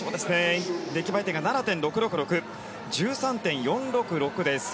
出来栄え点が７．６６６１３．４６６です。